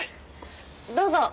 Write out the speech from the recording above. どうぞ。